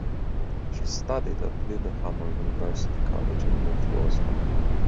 She studied at Lillehammer University College and moved to Oslo.